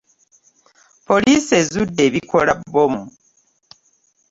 Poliisi ezudde ebikola bbomu